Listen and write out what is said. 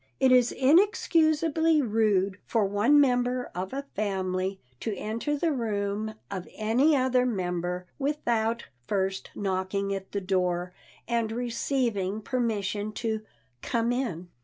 It is inexcusably rude for one member of a family to enter the room of any other member without first knocking at the door and receiving permission to "come in."